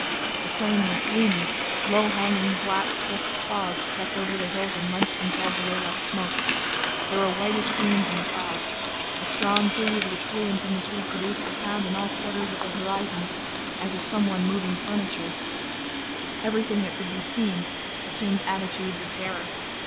The plain was gloomy; low hanging, black, crisp fogs crept over the hills and wrenched themselves away like smoke: there were whitish gleams in the clouds; a strong breeze which blew in from the sea produced a sound in all quarters of the horizon, as of some one moving furniture; everything that could be seen assumed attitudes of terror.